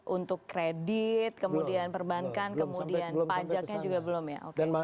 untuk kredit kemudian perbankan kemudian pajaknya juga belum ya